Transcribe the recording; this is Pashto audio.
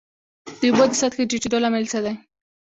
د اوبو د سطحې د ټیټیدو لامل څه دی؟